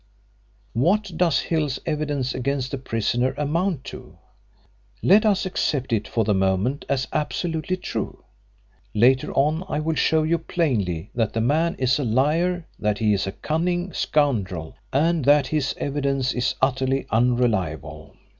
What does Hill's evidence against the prisoner amount to? Let us accept it for the moment as absolutely true. Later on I will show you plainly that the man is a liar, that he is a cunning scoundrel, and that his evidence is utterly unreliable.